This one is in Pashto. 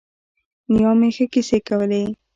نیا مې ښه کیسې کولې.